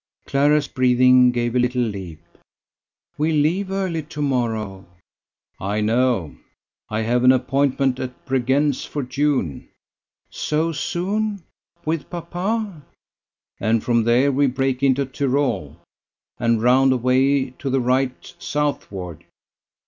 Clara's breathing gave a little leap. "We leave early tomorrow." "I know. I have an appointment at Bregenz for June." "So soon? With papa?" "And from there we break into Tyrol, and round away to the right, Southward."